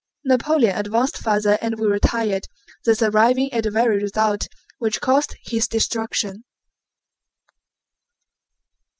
Napoleon advanced farther and we retired, thus arriving at the very result which caused his destruction.